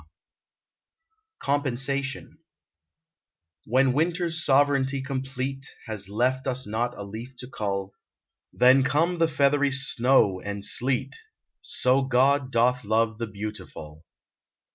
123 COMPENSATION "\^ 7hen Winter's sovereignty complete Has left us not a leaf to cull, Then come the feathery snow and sleet : So God doth love the beautiful